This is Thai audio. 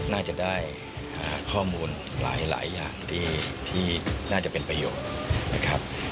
น่าจะได้ข้อมูลหลายอย่างที่น่าจะเป็นประโยชน์นะครับ